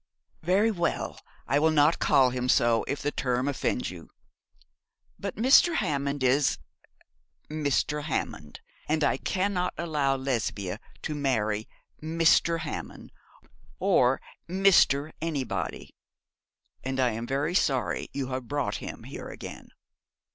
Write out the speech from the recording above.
'Very well, I will not call him so, if the term offends you. But Mr. Hammond is Mr. Hammond, and I cannot allow Lesbia to marry Mr. Hammond or Mr. Anybody, and I am very sorry you have brought him here again.